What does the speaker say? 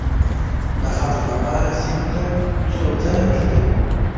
د خټو لپاره سیند ته څو ځله تللی وو.